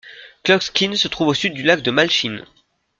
Klocksin se trouve au sud du lac de Malchin.